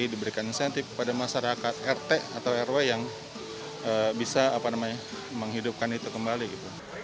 diberikan insentif kepada masyarakat rt atau rw yang bisa menghidupkan itu kembali gitu